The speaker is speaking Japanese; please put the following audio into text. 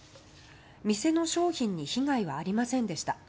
店の商品に被害はありませんでした。